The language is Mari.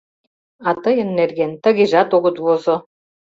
— А тыйын нерген тыгежат огыт возо!